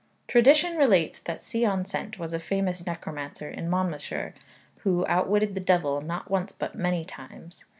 Tradition relates that Sion Cent was a famous necromancer in Monmouthshire, who outwitted the devil, not once but many times.